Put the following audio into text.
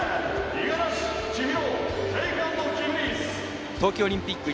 五十嵐千尋。